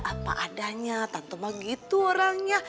apa adanya tante mah gitu orangnya